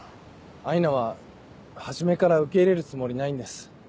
アイナは初めから受け入れるつもりないんです。